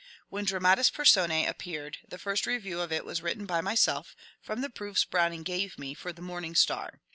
When " Dramatis PersonsB " appeared, the first review of it was written by myself, from the proofs Browning gave me, for the "Morning Star."